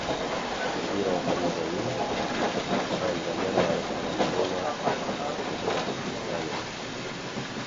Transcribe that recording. Îro pêncemîn salvegera referandûma serxwebûna Kurdistanê ye.